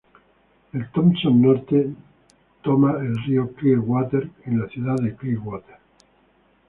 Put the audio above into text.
El Thompson Norte toma el río Clearwater en la ciudad de Clearwater.